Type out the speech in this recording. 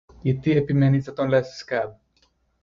Γιατί επιμένεις να τον λες Σκαμπ;